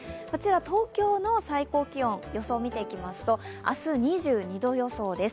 東京の最高気温の予想を見ていきますと、明日、２２度予想です。